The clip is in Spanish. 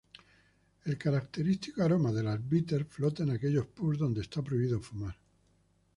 El característico aroma de las "Bitter" flota en aquellos "pubs" donde está prohibido fumar.